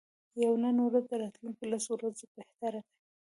یوه نن ورځ د راتلونکو لسو ورځو بهتره ده.